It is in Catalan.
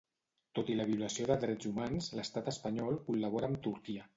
Tot i la violació de drets humans, l'estat espanyol col·labora amb Turquia.